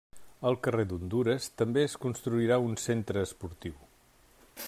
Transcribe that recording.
Al carrer d'Hondures també es construirà un centre esportiu.